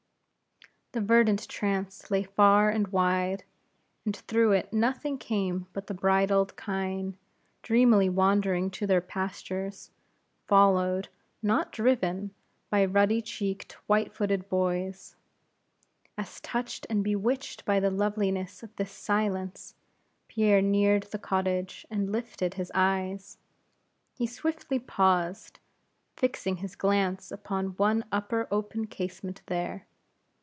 The verdant trance lay far and wide; and through it nothing came but the brindled kine, dreamily wandering to their pastures, followed, not driven, by ruddy cheeked, white footed boys. As touched and bewitched by the loveliness of this silence, Pierre neared the cottage, and lifted his eyes, he swiftly paused, fixing his glance upon one upper, open casement there.